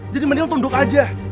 jadi mending lu tunduk aja